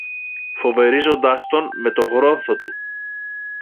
φοβερίζοντας τον με το γρόθο του.